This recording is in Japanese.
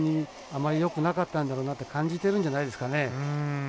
あまりよくなかったんだろうなって感じてるんじゃないですかね。